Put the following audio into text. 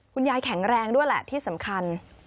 คุณยายแข็งแรงด้วยแหละที่สำคัญ